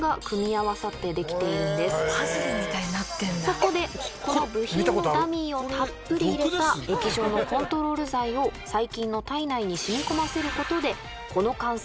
そこでこの部品のダミーをたっぷり入れた液状のコントロール剤を細菌の体内に染み込ませることで。